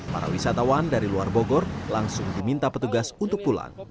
para wisatawan dari luar bogor langsung diminta petugas untuk pulang